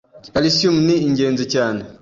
Calcium ni ingenzi cyane